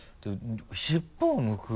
尻尾を剥く。